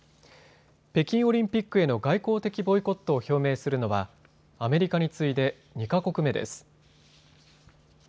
北京オリンピックへの外交的ボイコットを表明するのはアメリカに次いで２か国目です。